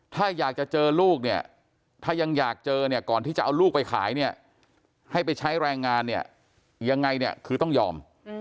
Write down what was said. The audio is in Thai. ถ้าอยากจะเจอลูกเนี่ยถ้ายังอยากเจอเนี่ยก่อนที่จะเอาลูกไปขายเนี่ยให้ไปใช้แรงงานเนี่ยยังไงเนี่ยคือต้องยอม